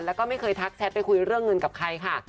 แล้วก็ไม่เคยทักแชทไปคุยเรื่องเงินกับใครค่ะ